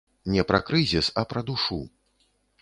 Не пра крызіс, а пра душу.